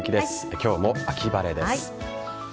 今日も秋晴れです。